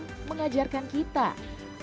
keputusan ayu untuk kembali dan membangun duanyam